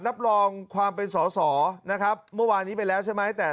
รับรองความเป็นสอสอนะครับเมื่อวานนี้ไปแล้วใช่ไหมแต่